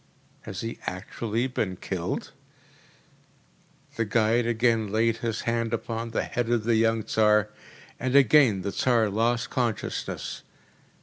‚ÄĚ “Has he actually been killed?‚ÄĚ The guide again laid his hand upon the head of the young Tsar, and again the Tsar lost consciousness.